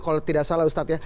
kalau tidak salah ustadz ya